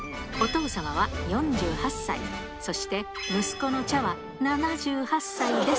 お父様は４８歳、そして息子の茶